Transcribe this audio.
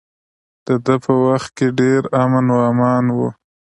د ده په وخت کې ډیر امن و امان و.